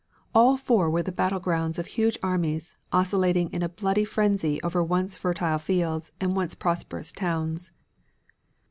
All four were the battle grounds of huge armies, oscillating in a bloody frenzy over once fertile fields and once prosperous towns.